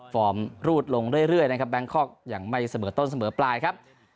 รูดลงเรื่อยนะครับแบงคอกยังไม่เสมอต้นเสมอปลายครับ